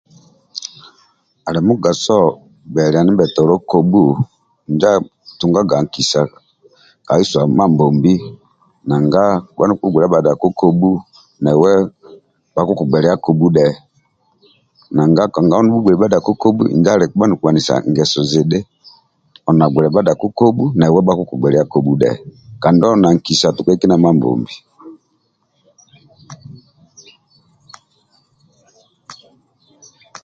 Alimugaso gbelia ndibhetolo kobhu njo okutugaga nkisa keisoa Mambombi nanga kobha nokubhugbelia bhadako kobhu newe bhakugbelia kobhu dhe nanga kanga nobhugbeli bhadako kobhu injo okubha nokuanisa ngeso zidhi oli na gbelia bhadako kobhu new bhakugbelia kobhu dhe kandi oli na nkisa tukai kindia Mambombi